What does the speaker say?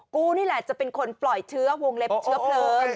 กูนี่แหละจะเป็นคนปล่อยเชื้อวงเล็บเชื้อเพลิง